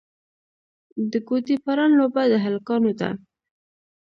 د ګوډي پران لوبه د هلکانو ده.